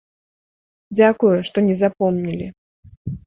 Дзякую, што не запомнілі.